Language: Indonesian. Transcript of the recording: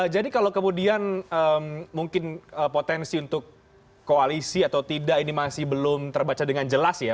jadi kalau kemudian mungkin potensi untuk koalisi atau tidak ini masih belum terbaca dengan jelas ya